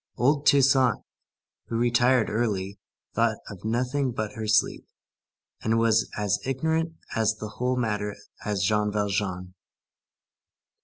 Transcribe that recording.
Old Toussaint, who retired early, thought of nothing but her sleep, and was as ignorant of the whole matter as Jean Valjean.